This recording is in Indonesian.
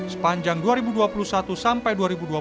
sepanjang dua ribu dua puluh satu sampai dua ribu dua puluh satu